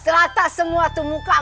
rata semua tuh muka